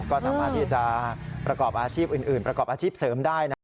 ก็สามารถที่จะประกอบอาชีพอื่นประกอบอาชีพเสริมได้นะ